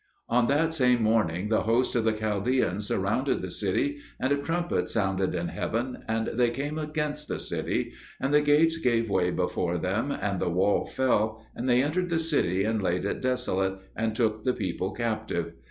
On that same morning the host of the Chaldeans surrounded the city, and a trumpet sounded in heaven, and they came against the city; and the gates gave way before them, and the wall fell, and they entered the city and laid it desolate, and took the people captive.